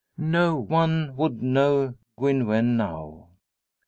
No one would know Gwen Wynn now.